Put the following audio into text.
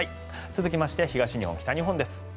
続きまして東日本、北日本です。